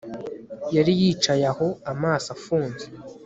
Yari yicaye aho amaso afunze